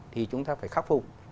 thì chúng ta phải khắc phục